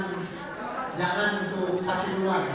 silahkan boleh pulang